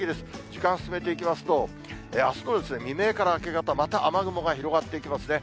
時間進めていきますと、あすの未明から明け方、また雨雲が広がっていきますね。